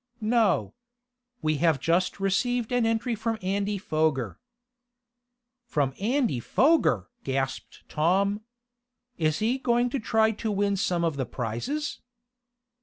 "No. We have just received an entry from Andy Foger." "From Andy Foger!" gasped Tom. "Is he going to try to win some of the prizes?"